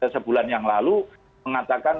sebulan yang lalu mengatakan